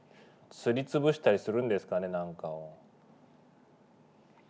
すりつぶしたりするんですかねなんかを。